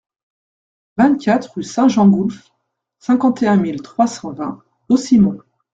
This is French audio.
vingt-quatre rue Saint-Gengoulf, cinquante et un mille trois cent vingt Haussimont